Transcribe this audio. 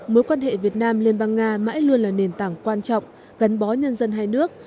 mối quan hệ việt nam liên bang nga mãi luôn là nền tảng quan trọng gắn bó nhân dân hai nước